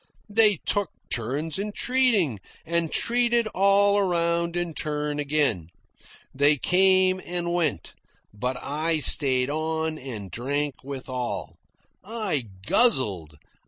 They took turns in treating, and treated all around in turn again. They came and went, but I stayed on and drank with all. I guzzled.